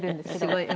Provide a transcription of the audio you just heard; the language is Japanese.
すごい。